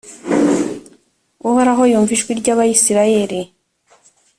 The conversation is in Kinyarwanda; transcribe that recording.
uhoraho yumva ijwi ry’abayisraheli.